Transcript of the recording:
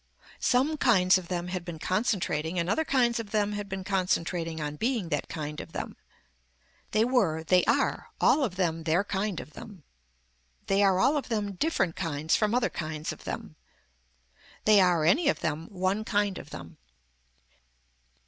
Some kinds of them had been concentrating and other kinds of them had been concentrating on being that kind of them. They were, they are, all of them their kind of them. They are all of them different kinds from other kinds of them. They are, any of them, one kind of them.